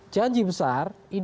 janji besar ini adalah kepentingan